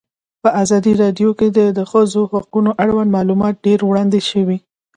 په ازادي راډیو کې د د ښځو حقونه اړوند معلومات ډېر وړاندې شوي.